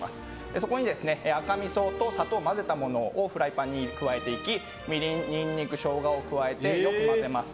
そこに赤みそと砂糖を混ぜたものをフライパンに加えていきみりん、ニンニクショウガを加えてかき混ぜます。